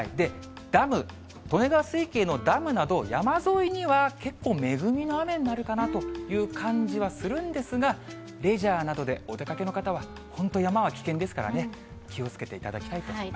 ダム、利根川水系のダムなど、山沿いには結構恵みの雨になるかなという感じはするんですが、レジャーなどでお出かけの方は、本当、山は危険ですからね、気をつけていただきたいと思います。